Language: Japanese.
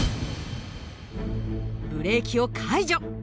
ブレーキを解除。